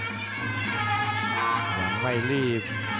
ยังไม่รีบ